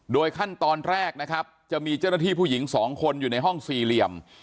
ขั้นตอนแรกนะครับจะมีเจ้าหน้าที่ผู้หญิงสองคนอยู่ในห้องสี่เหลี่ยม